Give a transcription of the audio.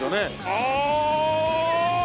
ああ！